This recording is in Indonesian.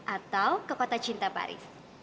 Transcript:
atau ke kota cinta paris